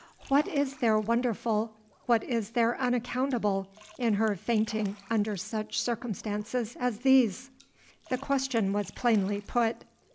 What is there wonderful, what is there unaccountable, in her fainting under such circumstances as these?" The question was plainly put.